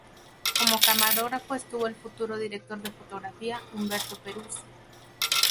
Como camarógrafo estuvo el futuro director de fotografía Humberto Peruzzi.